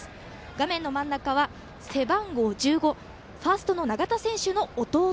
画面の真ん中は背番号１５ファーストの永田選手の弟。